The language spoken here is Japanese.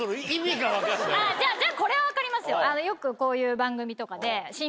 じゃこれは分かりますよ。